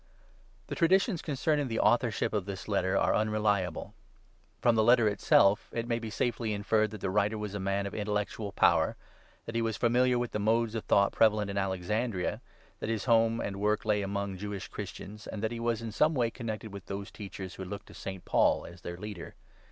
] THE Traditions concerning the authorship of this Letter are unreliable. From the Letter itself it may be safely inferred that the writer was a man of intellectual power, that he was familiar with the modes of thought prevalent in Alexandria, that hjs home and work lay among Jewish Christians, and that he was in some way connected with those teachers who looked to St. Paul as their leader.